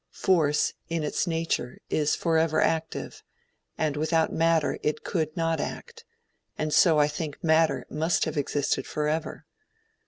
Force, in its nature, is forever active, and without matter it could not act; and so I think matter must have existed forever.